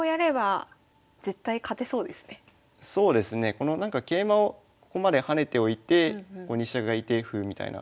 この桂馬をここまで跳ねておいてここに飛車がいて歩みたいな。